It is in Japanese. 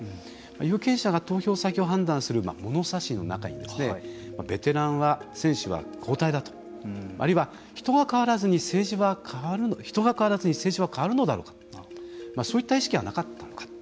有権者が投票先を判断する物差しの中にベテランは交代だとあるいは、人が変わらずに政治は変わるのだろうかそういった意識はなかったのか。